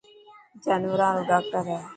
جانوران رو ڊاڪٽر هي.